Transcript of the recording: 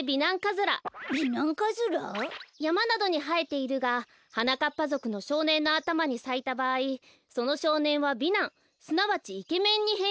やまなどにはえているがはなかっぱぞくのしょうねんのあたまにさいたばあいそのしょうねんは美男すなわちイケメンにへんしんし。